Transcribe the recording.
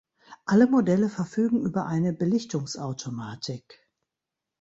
Alle Modelle verfügen über eine Belichtungsautomatik.